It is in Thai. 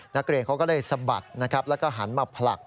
นักเรียนเขาก็เลยสะบัดนะครับแล้วก็หันมาผลัก